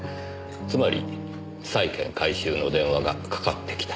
つまり債権回収の電話がかかってきた。